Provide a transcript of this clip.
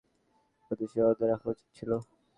নিজের নেতাগিরি নিজের কলেজের মধ্যেই সিমাবদ্ধ রাখা উচিত ছিল।